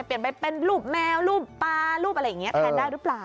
เปลี่ยนไปเป็นรูปแมวรูปปลารูปอะไรอย่างนี้แทนได้หรือเปล่า